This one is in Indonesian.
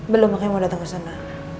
belum makanya mau datang ke sana